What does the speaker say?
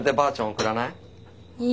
送らない？